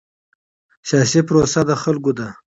سیاسي پروسه د خلکو ده